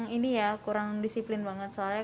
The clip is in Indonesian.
kalau menurut aku sih penegakannya itu kurang bagus